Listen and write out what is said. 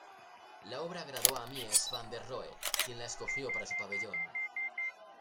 La obra agradó a Mies van der Rohe, quien la escogió para su pabellón.